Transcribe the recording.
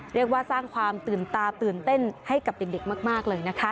เรียกว่าสร้างความตื่นตาตื่นเต้นให้กับเด็กมากเลยนะคะ